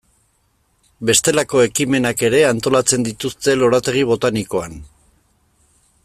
Bestelako ekimenak ere antolatzen dituzte lorategi botanikoan.